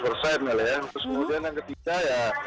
kemudian yang ketiga ya